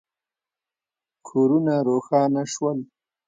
کورونه روښانه شول.